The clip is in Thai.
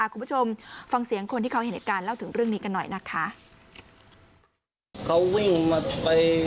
คุณผู้ชมฟังเสียงคนที่เขาเห็นเหตุการณ์เล่าถึงเรื่องนี้กันหน่อยนะคะ